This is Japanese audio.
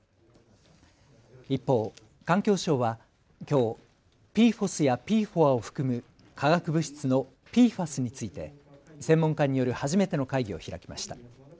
一方、環境省はきょうＰＦＯＳやＰＦＯＡを含む化学物質のＰＦＡＳについて専門家による初めての会議を開きました。